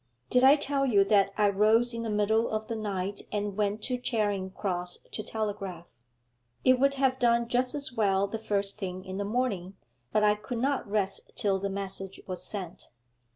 Did I tell you that I rose in the middle of the night and went to Charing Cross to telegraph? It would have done just as well the first thing in the morning, but I could not rest till the message was sent.